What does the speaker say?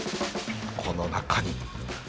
この中に。